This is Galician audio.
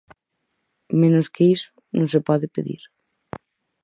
Menos que iso, non se pode pedir.